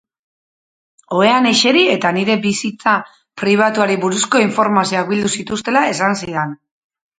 Ohean eseri eta nire bizitza pribatuari buruzko informazioak bildu zituztela esan zidan.